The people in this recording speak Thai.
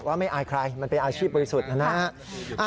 ว่าไม่อายใครมันเป็นอาชีพบริสุทธิ์นะฮะ